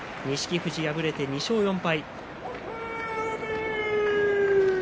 富士は敗れて２勝４敗。